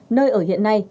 nơi ở hiện nay